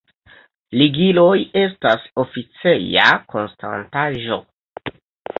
Ligiloj estas oficeja konstantaĵo.